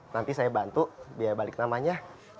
nanti saya bantu biaya balik namanya